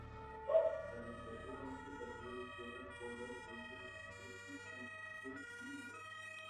Administrativamente, el río discurre por las provincias de Este, Centro, Sur y Litoral.